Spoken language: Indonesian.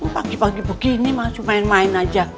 pagi pagi begini masuk main main aja